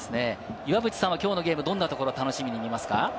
岩渕さんはきょうのゲーム、どんなところを楽しみに見ますか？